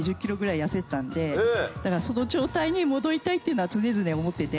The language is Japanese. その状態に戻りたいっていうのは常々思ってて。